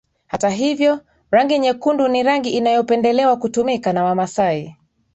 Hata hivyo rangi nyekundu ni rangi inayopendelewa kutumika na wamasai